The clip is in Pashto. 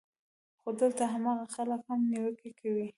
خو دلته هاغه خلک هم نېوکې کوي